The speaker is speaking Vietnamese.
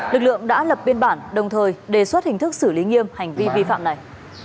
lực lượng đã lập biên bản đồng thời đề xuất hình thức xử lý nghiêm hành vi vi phạm này